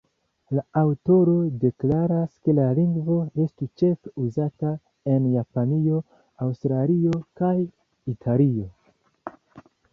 La aŭtoro deklaras ke la lingvo estu ĉefe uzata en Japanio, Aŭstralio kaj Italio.